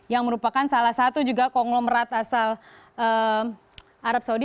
yang merupakan salah satu juga konglomerat asal arab saudi